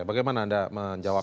bagaimana anda menjawab